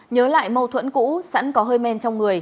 nhớ lại mâu thuẫn cũ sẵn có hơi men trong người